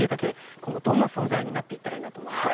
今後どんな存在になるといいなと思いますか？